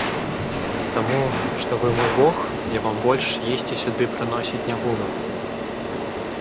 А таму, што вы мой бог, я вам больш есці сюды прыносіць не буду.